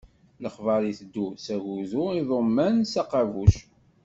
Leɣbaṛ iteddu s agudu, iḍuman s aqabuc.